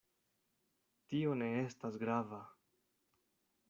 Tio ne estas grava.